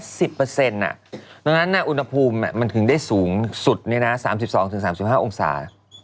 ดังนั้นอุณหภูมิมันถึงได้สูงสุด๓๒๓๕องศา